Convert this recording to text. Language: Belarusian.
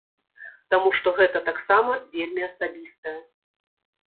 Таму што гэта таксама вельмі асабістае.